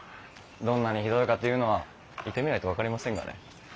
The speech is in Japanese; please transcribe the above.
どんなにひどいかというのは居てみないと分かりませんがね。